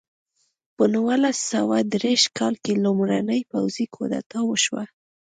په نولس سوه دېرش کال کې لومړنۍ پوځي کودتا وشوه.